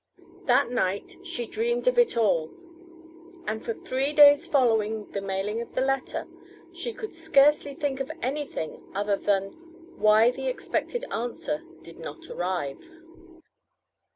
That night she dreamed of it all, and for three days following the mailing of her letter she could scarcely think of anything other then why the expected answer did not arrive.